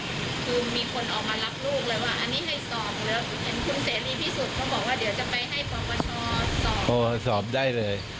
คือมีคนออกมารับลูกเลยว่าอันนี้ให้สอบเลย